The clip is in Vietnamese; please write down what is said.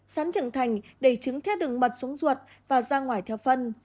sán trưởng thành đầy trứng theo đường mật xuống ruột và ra ngoài theo phân